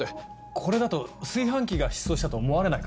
これだと炊飯器が失踪したと思われないかな？